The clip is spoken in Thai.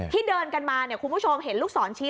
เดินกันมาเนี่ยคุณผู้ชมเห็นลูกศรชี้